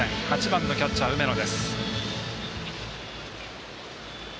８番のキャッチャー梅野。